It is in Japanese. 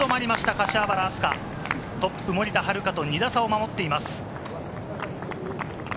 柏原明日架、トップ・森田遥と２打差を守っています。